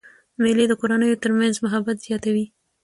مېلې د کورنیو تر منځ محبت زیاتوي.